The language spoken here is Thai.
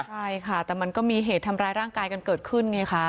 ใช่ค่ะแต่มันก็มีเหตุทำร้ายร่างกายกันเกิดขึ้นไงคะ